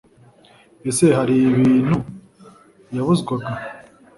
ese hari ibintu yabuzwaga?